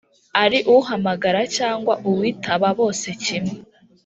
ari uhamagara cyangwa uwitaba bose kimwe